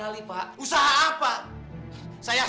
yang lain ya